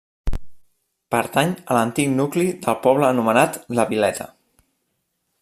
Pertany a l'antic nucli del poble anomenat la Vileta.